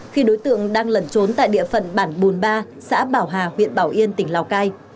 khi đối tượng đang lẩn trốn tại địa phận bản bùn ba xã bảo hà huyện bảo yên tỉnh lào cai